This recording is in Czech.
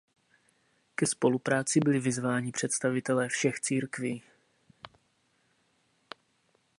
Ke spolupráci byli vyzváni představitelé všech církví.